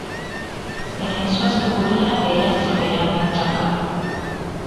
Enswa zikulira era zibeera mu ttaka.